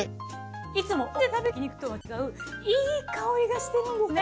いつもお家で食べる焼き肉とは違ういい香りがしてるんですよね。